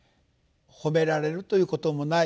褒められるということもない。